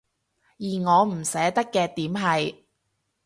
而我唔捨得嘅點係